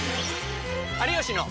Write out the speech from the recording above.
「有吉の」。